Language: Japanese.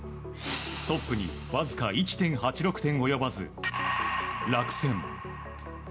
トップにわずか１．８６点及ばず落選。